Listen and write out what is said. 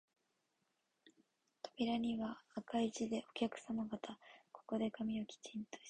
扉には赤い字で、お客さま方、ここで髪をきちんとして、